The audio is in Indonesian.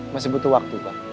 masih butuh waktu pak